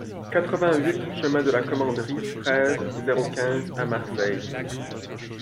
quatre-vingt-huit chemin de la Commanderie, treize, zéro quinze à Marseille